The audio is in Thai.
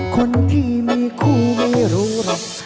คนที่มีคู่ไม่รู้หรอก